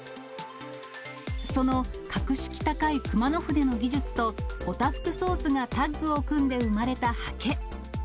その格式高い熊野筆の技術と、オタフクソースがタッグを組んで生まれたはけ。